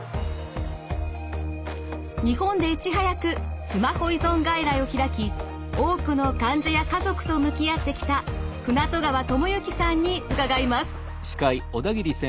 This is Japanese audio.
日本でいち早くスマホ依存外来を開き多くの患者や家族と向き合ってきた舩渡川智之さんに伺います。